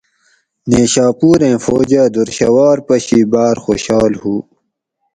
نیشا پوریں فوجہ دُر شھوار پشی بار خوشحال ہوُ